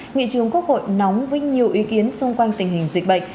nghị trường quốc hội nóng với nhiều ý kiến xung quanh tình hình dịch bệnh